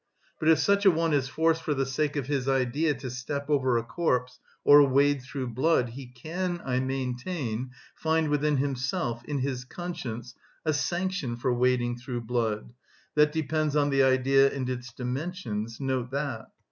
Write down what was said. But if such a one is forced for the sake of his idea to step over a corpse or wade through blood, he can, I maintain, find within himself, in his conscience, a sanction for wading through blood that depends on the idea and its dimensions, note that.